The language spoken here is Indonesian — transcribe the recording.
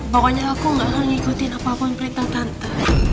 pokoknya aku gak akan ngikutin apapun perintah tante